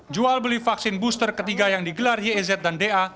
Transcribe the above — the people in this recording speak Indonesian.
jual beli vaksin booster ketiga yang digelar yez dan da